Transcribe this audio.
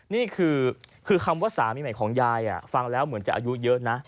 นี่คือคำว่าสามีใหม่ของยายฟังแล้วเหมือนจะอายุเยอะนะ